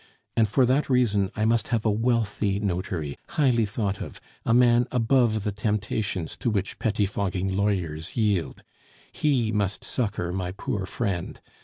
And for that reason I must have a wealthy notary, highly thought of, a man above the temptations to which pettifogging lawyers yield. He must succor my poor friend.